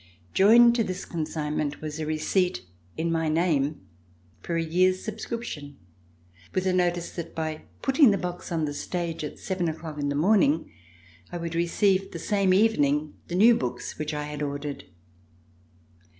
Joined to this consignment was a receipt in my name for a year's subscription, with a notice that by putting the box on the stage at seven o'clock in the morning, I would receive the same evening the new books which I had ordered.